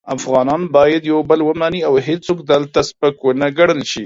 افغانان باید یو بل ومني او هیڅوک دلته سپک و نه ګڼل شي.